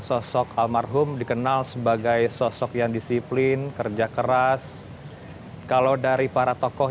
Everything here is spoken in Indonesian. sosok almarhum dikenal sebagai sosok yang disiplin kerja keras kalau dari para tokoh